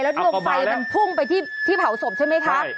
แล้วลูกไฟมันพึ่งไปที่เผาเศร้าใช่ไหมคะ